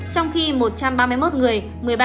trong khi một trăm ba mươi một người